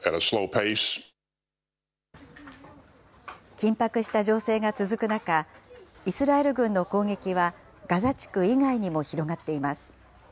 緊迫した情勢が続く中、イスラエル軍の攻撃はガザ地区以外にも広がっています。